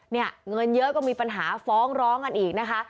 เนี่ยเงินเยอะก็มีปัญหาฟ้องร้องกันอีกนะคะ